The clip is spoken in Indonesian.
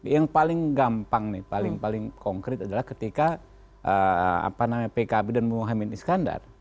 yang paling gampang nih paling paling konkret adalah ketika pkb dan muhammad iskandar